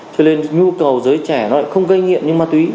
cho nên nhu cầu giới trẻ nó lại không gây nghiện nhưng ma túy